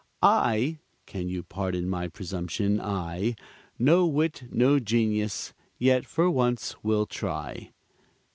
I (can you pardon my presumption), I No wit, no genius yet for once will try.